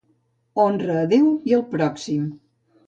Honra Déu i el pròxim.